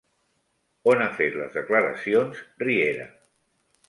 On ha fet les declaracions Riera?